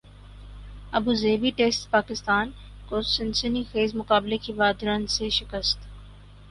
ابو Dhabi test Pakistan کو سنسنی خیزمقابلے کے بعد رنز سے شکست